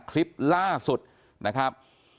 คลิปล่าสุดนะครับ